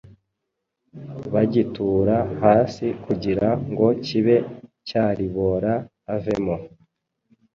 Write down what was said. bagitura hasi kugira ngo kibe cyaribora avemo